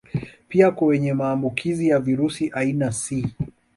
Pia kwa wenye maambukizi ya virusi aina C